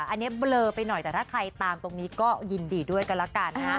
อันนี้เบลอไปหน่อยแต่ถ้าใครตามตรงนี้ก็ยินดีด้วยกันแล้วกันนะฮะ